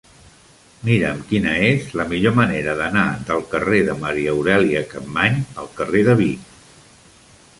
Mira'm quina és la millor manera d'anar del carrer de Maria Aurèlia Capmany al carrer de Vic.